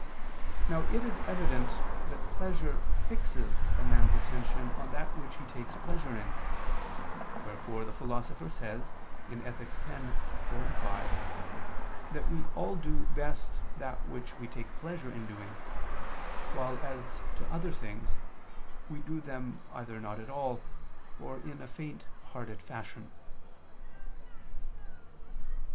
Now it is evident that pleasure fixes a man's attention on that which he takes pleasure in: wherefore the Philosopher says (Ethic. x, 4, 5) that we all do best that which we take pleasure in doing, while as to other things, we do them either not at all, or in a faint hearted fashion.